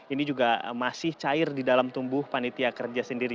ini juga masih cair di dalam tubuh panitia kerja sendiri